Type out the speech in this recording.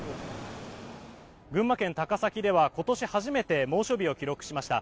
群馬県高崎では今年初めて猛暑日を記録しました。